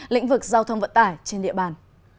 lĩnh vực giao thông vận tải trên địa bàn